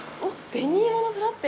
紅芋のフラッペ？